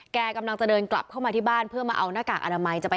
กำลังจะเดินกลับเข้ามาที่บ้านเพื่อมาเอาหน้ากากอนามัยจะไป